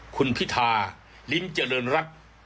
คุณพิธาลิ้มเจริญรัฐ